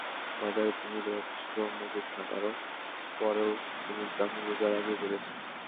বাজারে চিনির যথেষ্ট মজুত থাকারও পরও চিনির দাম রোজার আগেই বেড়েছে।